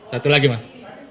satu lagi mas